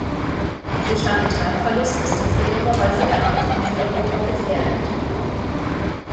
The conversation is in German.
Durch Habitatverlust ist die früher häufige Art in Mitteleuropa gefährdet.